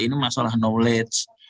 ini masalah knowledge